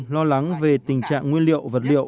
lo lắng về tình trạng nguyên liệu vật liệu